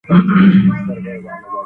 موږ د ظالم په وړاندي د حق خبره کړې ده.